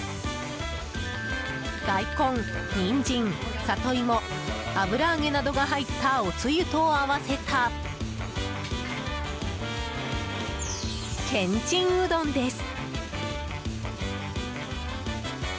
大根、ニンジン、サトイモ油揚げなどが入ったおつゆと合わせたけんちんうどんです。